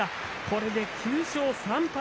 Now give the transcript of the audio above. これで９勝３敗。